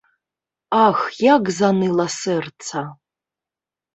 Ах, як заныла сэрца.